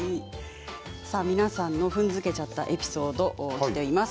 皆さんの踏んづけちゃったエピソード、きています。